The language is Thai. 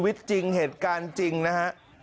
ชีวิตจริงเหตุการณ์จริงนะคะ